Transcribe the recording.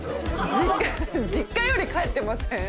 実家より帰ってません？